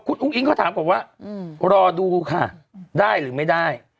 คุณอุ้งอิงเขาถามก่อนว่ารอดูค่ะได้หรือไม่ได้